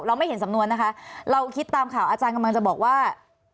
ไม่เห็นสำนวนนะคะเราคิดตามข่าวอาจารย์กำลังจะบอกว่า